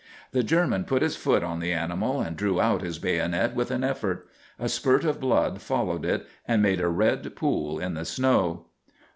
The German put his foot on the animal and drew out his bayonet with an effort. A spurt of blood followed it and made a red pool in the snow.